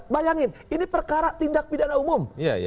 bayangin ini perkara tindak pidana umum